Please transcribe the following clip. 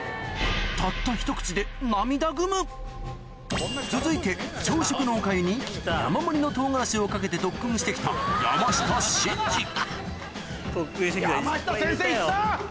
たったひと口で涙ぐむ続いて朝食のおかゆに山盛りの唐辛子をかけて特訓して来た山下先生行った！